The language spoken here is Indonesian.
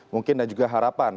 mungkin dan juga harapan